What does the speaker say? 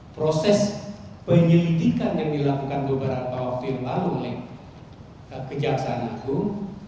proses penyelidikan yang dilakukan beberapa waktu yang lalu oleh kejaksaan agung